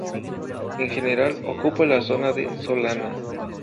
En general ocupa la zona de solana.